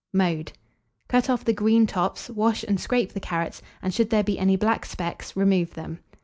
Mode. Cut off the green tops, wash and scrape the carrots, and should there be any black specks, remove them.